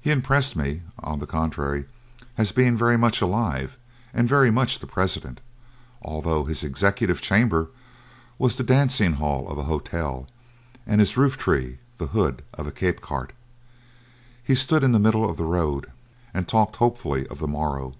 He impressed me, on the contrary, as being very much alive and very much the President, although his executive chamber was the dancing hall of a hotel and his roof tree the hood of a Cape cart. He stood in the middle of the road, and talked hopefully of the morrow.